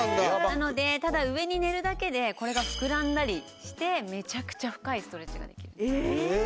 なのでただ上に寝るだけでこれが膨らんだりしてめちゃくちゃ深いストレッチができるんです。